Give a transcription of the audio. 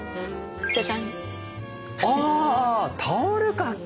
あタオル掛け！